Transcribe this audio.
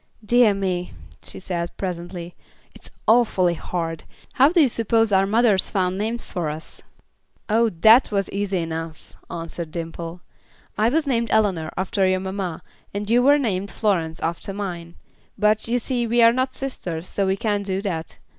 "Dear me," she said, presently, "it's awfully hard. How do you suppose our mothers found names for us?" "Oh! that was easy enough," answered Dimple. "I was named Eleanor after your mamma, and you were named Florence after mine; but, you see we are not sisters, so we can't do that.